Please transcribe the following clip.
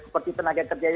seperti tenaga ekstenced